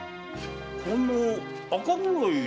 この赤黒い墨は？